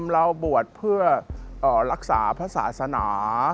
เราบวชเพื่อรักษาพระศาสนา